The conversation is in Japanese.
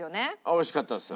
美味しかったです。